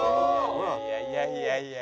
「いやいやいやいや」